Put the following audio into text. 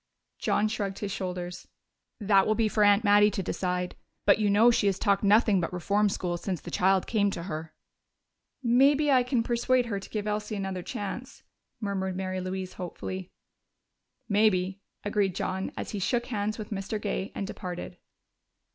John shrugged his shoulders. "That will be for Aunt Mattie to decide. But you know she has talked nothing but reform school since the child came to her." "Maybe I can persuade her to give Elsie another chance," murmured Mary Louise hopefully. "Maybe," agreed John as he shook hands with Mr. Gay and departed.